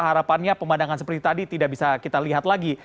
harapannya pemandangan seperti tadi tidak bisa kita lihat lagi